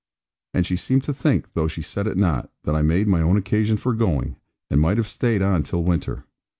And she seemed to think, though she said it not, that I made my own occasion for going, and might have stayed on till the winter.